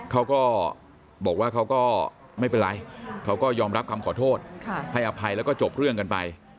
เขาก็บอกว่าเขาก็ไม่เป็นไรเขาก็ยอมรับคำขอโทษให้อภัยแล้วก็จบเรื่องกันไป